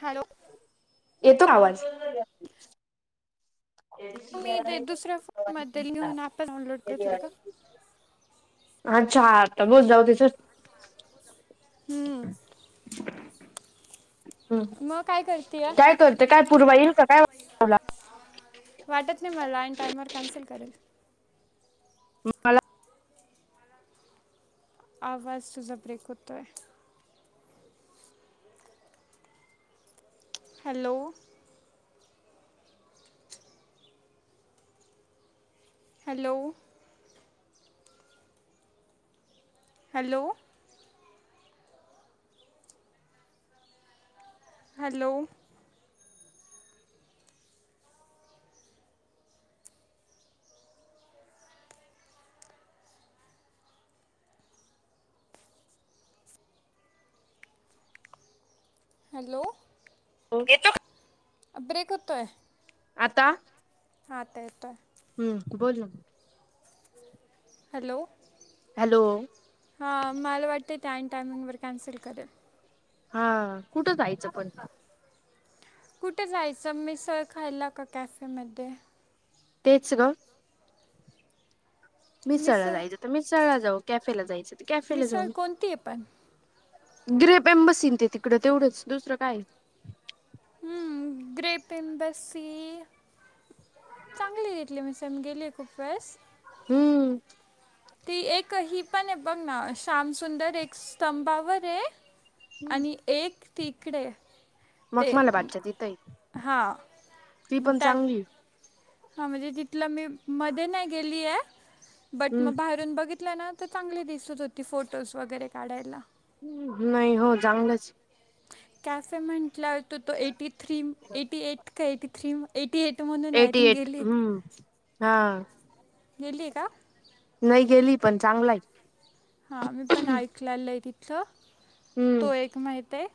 Hello. येतो ना आवाज. मी ते दुसऱ्या फोनमध्ये घेऊन आपण डाउनलोड करत होती का [inaudible] आच्छा, आता बार जाऊदे चल. हम्म. हम्म मग काय करते या? काय करते काय पूर्वा येईल का काय वाटत नाही मला आईन टाइमवर कॅन्सल करेल. मला आवाज सुझा ब्रेक होतोय. Hello. Hello hello hello hello येतोय ब्रेक होतोय. आता हा आता येतोय. हम्म बोल ना. हॅलो हॅलो हां मला वाटतय त्या टायमिंगवर कॅन्सल करेल. हा कुठं जायचं पण. कुठे जायचं मीसळ खायला का कॅफेमध्ये. तेच ग. मिरसळला मिसळ जायचं तर मिसरला जाऊ कॅफेला जायचं तर कॅफेला मिसळ जाऊ. कोणती आहे पण ग्रेप एम्बसीन ते तिकडं तेवढंच दुसरं काय. ग्रेप एम्बेसी चांगलीय तितली मिसळ मी गेली खूप वेळेस. हम्म ती एक ही पण आहे बघ ना शाम सुंदर एक स्तंभावर आहे. आणि एक तिकडे. ते मग मला बादच्या तिथं आहे हा ती पण मटाय चांगली हा म्हणजे तिथलं मी मध्ये नाही गेली आहे बट हम्म मग बाहेरून बघित ना तर चांगली दिसत होती फोटोज वगैरे काढायला. हो होय होय चांगलंच कॅफे म्हटलावर तो तो एटी थ्री एटी एट का एटी थ्री एटी एट म्हणून एटी आयाथिंग एट गेलीय. हम्म हा. गेलीय का. नाही गेली पण चांगलाय. हा मी पण ऐकलाल आहे तिथलं हम्म तो एक माहित आहे.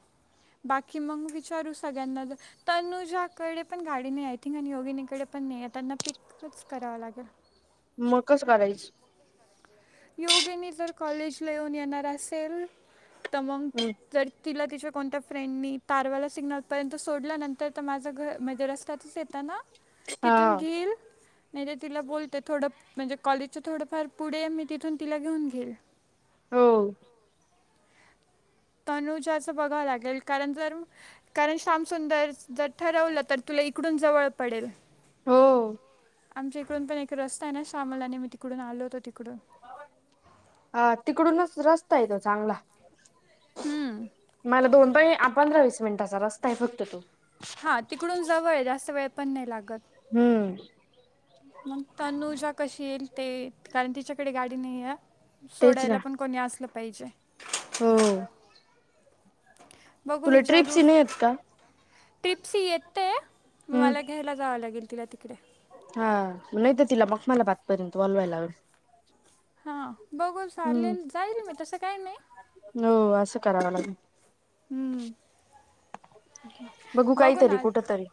बाकी मग विचारू सगळ्यांना. तनुजाकडे पण गाडी नाही आहे थिंक आणि योगिनीकडे पण नाही आहे त्यांना पिकच करावं लागेल. मग कसं करायचं. योगिनी तर कॉलेजला येऊन येणार असेल तर मग जर तिला तिच्यावा कोणत्या फ्रेंडनी तारवाला सिग्नलपर्यंत सोडल्यानंतर तर माझं घर म्हणजे रस्तत तच येतना. हा तिथून घेईल नाही तर तिला बोलते थोडं म्हणजे कॉलेजच थोडंफार पुढे ये मी तिथून तिला घेऊन घेईल. हो. तनुजाच बघावं लागेल, कारण जर कारण श्याम सुंदर जर ठरवलं, तर तुला इकडून जवळ पडेल. हो आमच्या इकडून पण एक रस्ता आहे ना, श्यामल आणि मी तिकडून आलो होतो तिकडून. हा तिकडूनच रस्ता आहे तो चांगला. हम्म. मला दोन, पंधरा-वीस मिनिटाचा रस्ता आहे फक्त तो. हा तिकडून जवळ आहे, जास्त वेळ पण नाही लागत. हम्म मग तनुजा कशी येईल ते, कारण तिच्याकडे गाडी नाहीए तेच ना सोडायला पण कोणी असलं पाहिजे. हो बघू तुला ट्रिप्स विचारू. नाही आहेत का टिपसी येते, हम्म मला घ्यायला जावं लागेल. तिला तिकडे. हा नाही तर तिला मग तिला [unintelligible] हा बघू हम्म चालेल, जाईल मी तसं काय नाही. हो असं करावं लागेल. हम्म, बघू काहीतरी ना कुठ तरी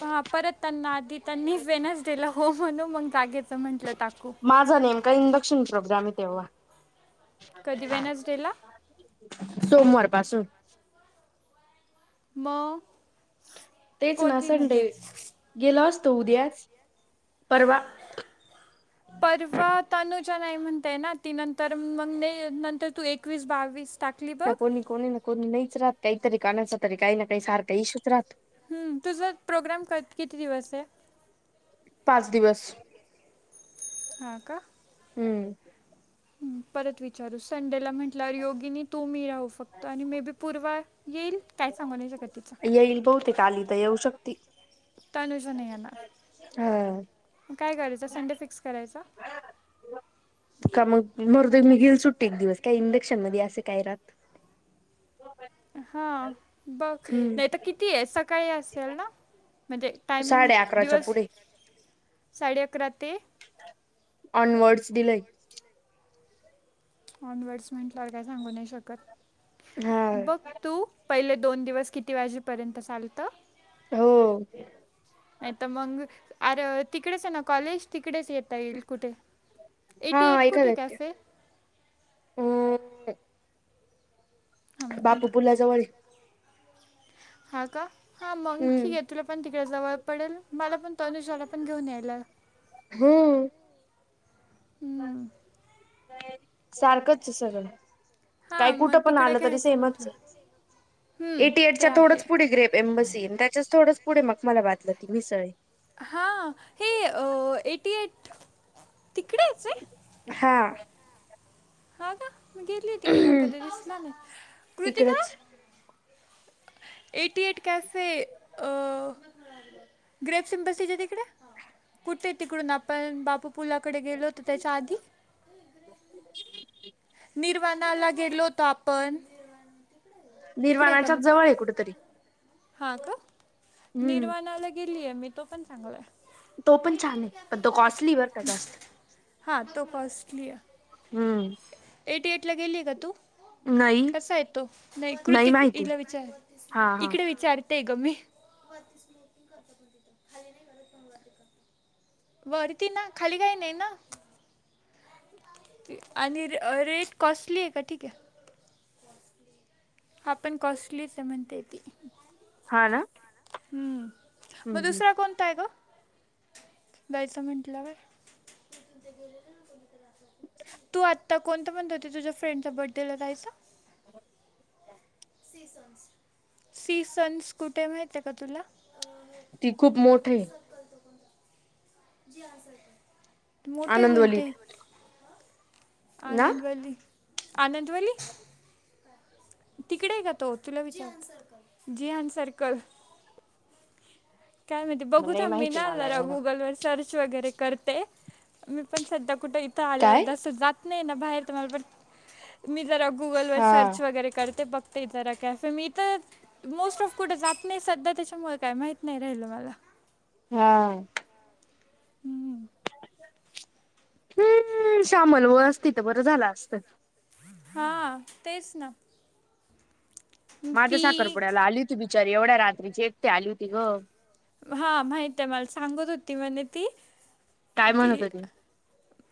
पहा परत त्यांना आधी त्यांनी वेनजडेला हो म्हणून मग बागेत माझा नेमका इंडक्शन प्रोग्राम आहे तेव्हा. कधी वेनसडेला सोमवार पासून म तेच ना संडे, गेलो असतो उद्याच, परवा [inaudible] परवा तनुजा नाही म्हणतेय ना, ती नंतर मग नंतर तू एकवीस, बावीस टाकली ना बघ कोणी कोणी ना कोणी नाहीच राहत काहीतरी कानाच तरी काही ना काही सारखा इशूच राहतो. हम्म, तुझा प्रोग्राम क किती दिवस आहे? पाच दिवस. हा का? हम्म परत विचारू, संडेला म्हंटल्यावर योगिनी तू मी राहु फक्त, आणि मे बी पूर्वा येईल, काय सांगू नाही शकत तिचं. येईल बहुतेक आली तर येऊ शकती. तनुजा नाही येणार, हा काय करायचं संडे फिक्स करायचा? का मग, मरूदे मी घेइल सुट्टी एक दिवस का इंडक्शन मध्ये असे काय राह [unintelligible] हा, बघ हम्म नाही तर किती आहे सकाळी असेल ना? म्हणजे टायमिंग साडे अकराच्या दिवस, पुढे साडे अकरा ते ऑनवर्ड्स दिलंय. ऑनवर्डस म्हंटल्यावर काय सांगू नाही शकत, हा बघ तू पहिले दोन दिवस किती वाजेपर्यंत चालतं? हो नाही तर मग, अरे तिकडेच आहे ना कॉलेज तिकडेच येत ता येईल कुठे, हा एटी एट ऐका कुठे नक्की कॅफे? अ हां एक बापू मिनटं पुलाजवळ आहे. हां का? हां मग हम्म ठीक आहे तुला पण तिकडें जावं पडेल, मला पण तनुजाला पण घेऊन यायला हम्म हम्म. सारखंच ए सगळं. काही हां कुठं मग पण तिकडे आलं तरी घ्यायचं सेमच म्हटलं ए. हं, एटी ते एटच्या थोडच आहे पुढे ग्रेप [unintelligible] आणि त्याच्याच थोडंच पुढे मग [unintelligible] ती मीसळ आहे. हा, हे अ एटी एट तिकडेच आहे हा हा का मी घेतली तिकडे मला कध दिसला नाही कृती काा तिकडच एटी ट कॅसे ग्रेप सिमबसीच्या तिकडे कुठे तिकडून आपण बापू पुलाकडे गेलो होतो त्याच्या आधी [inaudible] निरवाणाला गेलो होतो आपण इकडे का निर्वाणाच्याच मगत जवळ आहे कुठेतरी. हा का हम्म निर्वाणालय गेलीय मी तो पण चांगलाय तो पण छान आहे पण तो कॉस्टली बर का जास्त हां तो कॉस्टली आहे हम्म एटी एट ला गेली का तू नाही कसा येतो नाही कृती इला विचार हा हा इकडे विचारतेय ग मी वरती स्मूथिंग करते खाली नाही बरत तमे का बर ती ना खाली काही नाही ना आणि रेट कॉस्टली आहे का ठीक आहे हा पण कॉस्टलीच म्हणते ती हा ना हम्म हम्म मग हम्म दुसरा कोणता आहे ग दैचा म्हंटल्यावर [inaudible] तू आत्ता कोणत म्हणत होते तुझ्या फ्रेंडचा बर्थडेला जाहायचा [inaudible] स सी सन्स कुठे माहित आहे का तुला ती खूप मोठ आहे मोठे आनंदवलीत म्हते ना आनंदवली आनंदवली तिकडे आहे का तो तुला विचार जिहान सर्कल काय माहिती बघू नाही थांब म माहिती नाल मला रा एवढं गुगल वर सर्च वगैरे करते मी पण सध्या कुठं इथं आल्यावर काय जसं जात नाही ना बाहेर तर मला पण मी जरा गुगलवर हा सर्च वगैरे करते बघ ते जरा कॅफे मी तर मोस्ट ऑफ कुठे जात नाही सध्या त्याच्यामुळे काय माहत नाही राहिल मला हा हम्म. हम्म श्यामल व अस तिथं बरं झालं असतं हा तेच ना माझ्या ती साखरपुड्याला आली होती बिचारी एवढ्या रात्रीची एकटी आली होती ग हा माहित आहे मला सांगत होती म्हणे ती टायम न ती होता त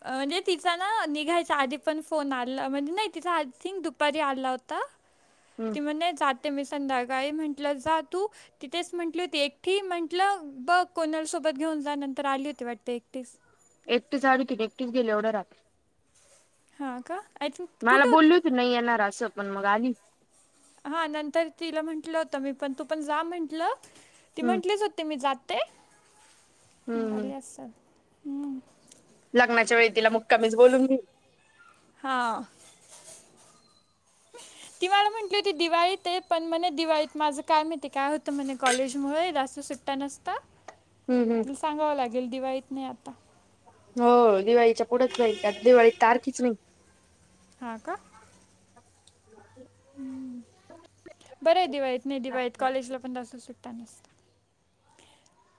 म्हणजे तिचा ना निघायचा आधी पण फोन आला म्हणजे नाही तिथ आथिं दुपारी आला होता [inaudible] ती म्हण नाही जाते मी संध्याकाळी म्हंटलं जा तू तिथेच म्हंटली होती एकटी म्हटलं बघ कोणाला सोबत घेऊन जा नंतर आली होती वाटते एकटीच एकतीस सा अडीती एकटस गेले एवढ्या रात हां का आय थिंक मला कुठं बोलल होत होती नाही येणार असं पण मग आली हा नंतर तिला म्हंटलं होतं मी पण तू पण जा म्हंटलं ती हम्म म्हटलीच होते मी जाते हम्म हम्म. लागली अस सल- लग्नाच्या वेळी तिला मग कमीच बोलून घे हा [inaudible] ती मला म्हटली होती दिवाळीत आहे पण म्हणे दिवाळीत माझं काय माहिती काय होतं म्हणे कॉलेजमुळे जां सुट्ट टनस्ता हम्म हम्म सांगावं लागेल दिवाळीत नाही आता हो दिवाळीच्या कुठंच जाईल काी आता दिवाळी तारखीच नाही हां का हकी बरं आहे दिवाईत नाही दिवाळीत कॉलेजला पण जासं सुट्ट नस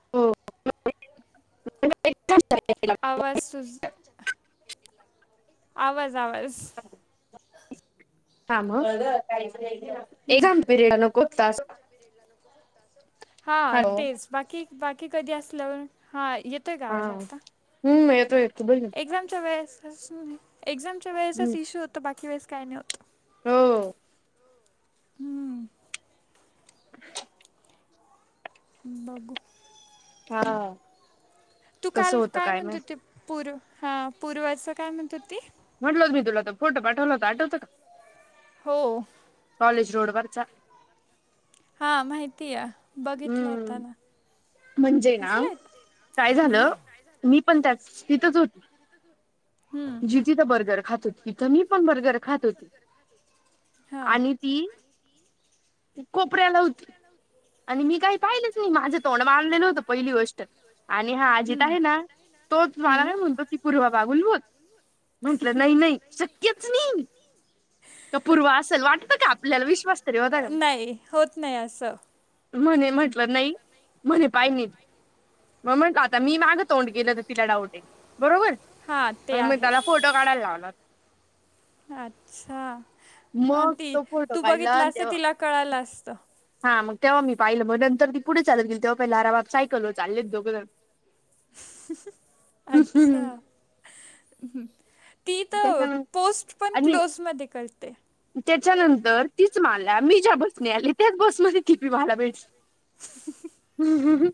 हो आवाज सु आवाज आवाज हा मग हं. एझाम पिरियड न कोतताास हा हॅलो तेच बाकी बाकी कधी असलं हा येत हा हम्म येतो येत बोल ना एक्झामच्या वेळेसच एक्झामच्या हम्म वेळेसच इश्यू होतो बाकी वेळेस काय नाही होतं हो हम्म बघू हा तू कसं काल होतं काय म्हणत माहित होती पूर् हां पूर्वचं काय म्हणत होती म्हटल हो मी तुला त फो पाठवला आठवतं का हो कॉलेज रोड वरचा हा माहिती या बघितलं आता हम्म ना म्हणजे असं ना नाही काय झालं मी पण त्या तिथच होती जि तिथं बर्गर खात होती तिथं मी पण बर्गर खात होती हां आणि ती कोपऱ्याला होती आणि मी काही पाहिलेच नाही माझं तोंड मारलेलं होतं पहिली गोष्ट आणि हा अजित आहे ना तोच मला काय म्हणतो ती पूर्वा बागुल होत म्हंटलं नाही नाही शक्यच नाही का पूर्व असेल वाटत का आपल्याला विश्वास तरी होता का नाही होत नाही असं म्हणे म्हटलं नाही म्हणे पाहि नाही मग म्हण आता मी मागं तोंड गेलं तर तिला डाऊट आहेईल बरोबर हां ते मग मी आहे त्याला फोटो काढायला लावला अच्छा.. हा... मग ती तो फोटो तू काढला बघितला आणि असतं... तेव्हा तिला कळालं असतं हा... मग तेव्हा मी पाहिलं, मग नंतर ती पुढं चालत गेली तेव्हा पाहिलं. अरे बाप, सायकलवर चाललेत दोघं जण हुं.... अच्छा हुं.... ती तर... त्याच्यानंतर पोस्ट पण आणि क्लोज मध्ये करते त्याच्यानंतर तीच मला मी ज्या बसने आली त्याच बसमध्ये ती बी मला भेटली हुं... हुं...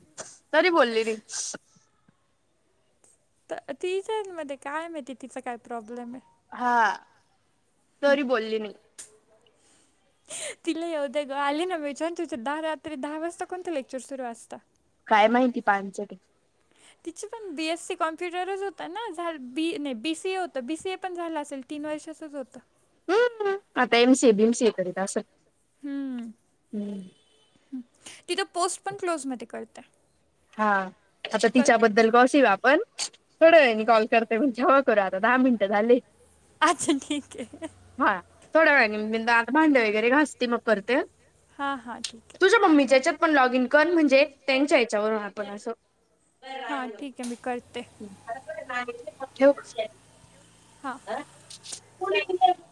तरी बोलली नई तर [unintelligible] मध्ये काय माहिती... तिचा काय प्रॉब्लेम ए हा हुं... तरी पण [unintelligible] तिला येऊ दे गं... आले ना [unintelligible] आणि तिच्या दहा रात्री... दहा वाजता कोणतं लेक्चर सुरू असतं काय माहिती पांचट ए तिची पण बीएससी कॉम्प्युटरच होतं ना? झा... बी... नाई... बीसीए होतं... बीसीए पण झालं असेल तीन वर्षाचंच होतं हम्म... आता एमसीए... बीमसीए करीत असल... हम्म तिथं पोस्ट पण क्लोज मध्ये करते हा.. आता कर तिच्याबद्दल गॉसिप आपण थोड्या वेळाने कॉल करते मग, जेवण करून, आता दहा मिनटं झाले अच्छा ठीक ए हा... थोड्या वेळाने, मी... आता भांडे वगैरे घासते, मग करते हां हां ठीक ए तूझ्या मम्मी याच्यात पण लॉग इन कर, म्हणजे त्यांच्या याच्यावरून आपण असं हां, ठीक मी करते [unintelligible] ठेव [unintelligible] हां [unintelligible]